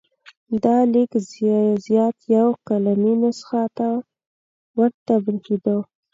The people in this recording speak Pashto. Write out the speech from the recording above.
دا لیک زیات یوه قلمي نسخه ته ورته بریښېده.